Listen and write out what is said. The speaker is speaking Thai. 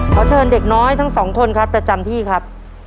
ขอเชิญเด็กน้อยทั้งสองคนครับประจำที่ครับ